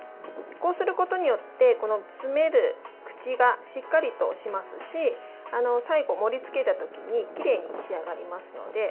こうすることによって詰める口がしっかりとしますし最後、盛りつけた時にきれいに仕上がりますので。